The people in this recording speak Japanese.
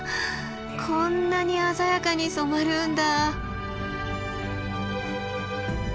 こんなに鮮やかに染まるんだ！